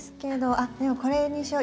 あっでもこれにしよう。